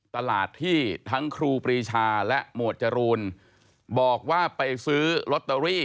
ตลาดที่ทั้งครูปรีชาและหมวดจรูนบอกว่าไปซื้อลอตเตอรี่